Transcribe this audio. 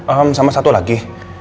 ehm sama satu lagi